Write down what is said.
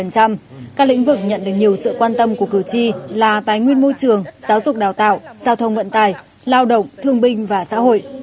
các lĩnh vực nhận được nhiều sự quan tâm của cử tri là tài nguyên môi trường giáo dục đào tạo giao thông vận tài lao động thương binh và xã hội